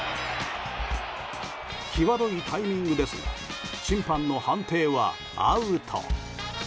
際どいタイミングですが審判の判定はアウト。